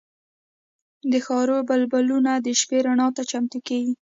د ښار بلبونه د شپې رڼا ته چمتو کېږي.